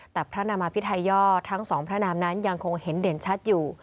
แต่พระนามาพิทัยย่อทั้งสองพระนามนั้นยังคงเห็นเด่นชัดอยู่